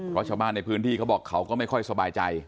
เพราะชาวบ้านในพื้นที่เขาบอกเขาก็ไม่ค่อยสบายใจ